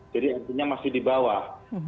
jadi akhirnya masih di bawah